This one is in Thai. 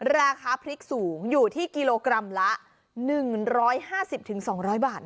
ราคาพริกสูงอยู่ที่กิโลกรัมละ๑๕๐๒๐๐บาท